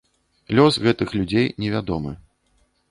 Лёс гэтых людзей невядомы.